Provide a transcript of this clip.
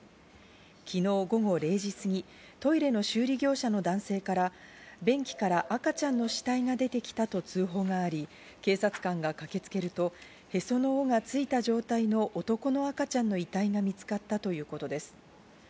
昨日午後０時過ぎトイレの修理業者の男性から便器から赤ちゃんの死体が出てきたと通報があり、警察官が駆けつけると、へその緒がついた状態の男の赤ちゃんの遺体が見つかったということです。